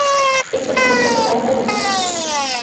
এই ছবির মধ্যেও কি তাই হয় নি?